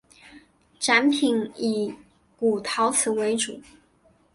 展品以古陶瓷为主。